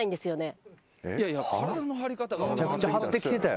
めちゃくちゃ張ってきてたやろ。